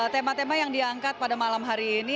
tema tema yang diangkat pada malam hari ini